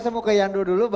saya mau ke yandro dulu